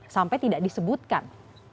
sampai tidak disebutkan